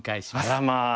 あらまあ。